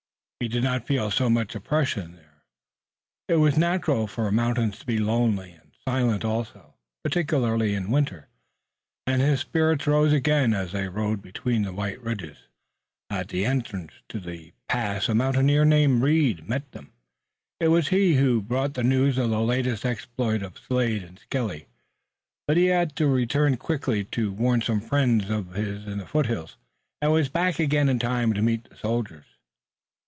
He did not feel so much oppression here. It was natural for mountains to be lonely and silent also, particularly in winter, and his spirits rose again as they rode between the white ridges. At the entrance to the pass a mountaineer named Reed met them. It was he who had brought the news of the latest exploit by Slade and Skelly, but he had returned quickly to warn some friends of his in the foothills and was back again in time to meet the soldiers.